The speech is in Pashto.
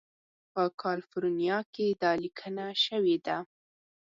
په کالیفورنیا کې دا لیکنه شوې ده.